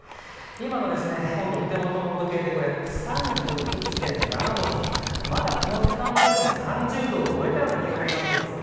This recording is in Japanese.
今の温度手元の温度計３１．７度とまだこの時間帯でも３０度を超えたような気温となっています。